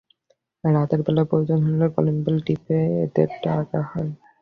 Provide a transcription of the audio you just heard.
রাতের বেলায় প্রয়োজন হলে কলিং বেল টিপে এদের ডাকা হয়।